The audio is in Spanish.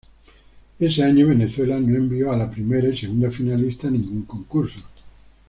Ese año Venezuela no envió a la primera y segunda finalista a ningún concurso.